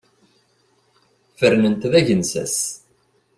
Fernen-t d agensas.